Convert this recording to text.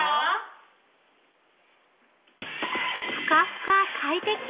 ◆ふかふか快適！